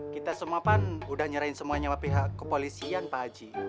kita semua pan udah nyerahin semuanya sama pihak kepolisian pak haji